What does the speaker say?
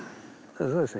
そうですね